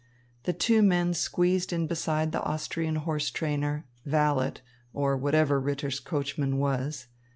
The two men squeezed in beside the Austrian horse trainer, valet, or whatever Ritter's coachman was.